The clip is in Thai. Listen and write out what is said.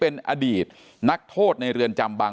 เป็นวันที่๑๕ธนวาคมแต่คุณผู้ชมค่ะกลายเป็นวันที่๑๕ธนวาคม